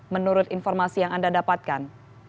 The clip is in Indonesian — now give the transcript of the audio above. menurut informasi yang anda dapatkan